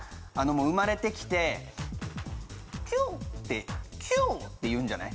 生まれてきてキュウってキュウって言うんじゃない。